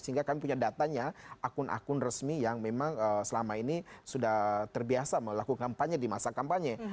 sehingga kami punya datanya akun akun resmi yang memang selama ini sudah terbiasa melakukan kampanye di masa kampanye